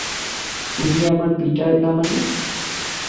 তুমি আমার পিটার না মানে?